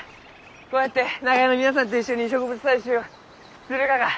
こうやって長屋の皆さんと一緒に植物採集するがが。